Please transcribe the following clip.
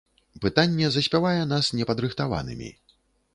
Пытанне заспявае нас непадрыхтаванымі.